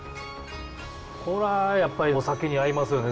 これはやっぱりお酒に合いますよね！